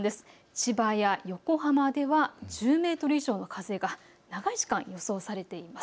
千葉や横浜では１０メートル以上の風が長い時間、予想されています。